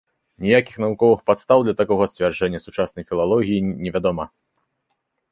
Ніякіх навуковых падстаў для такога сцвярджэння сучаснай філалогіі невядома.